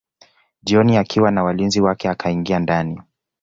Jioni akiwa na walinzi wake akaingia ndani